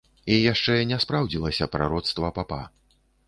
І яшчэ не спраўдзілася прароцтва папа.